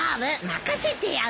任せてよ。